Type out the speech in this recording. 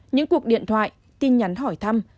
những cuộc điện thoại tin nhắn hỏi thăm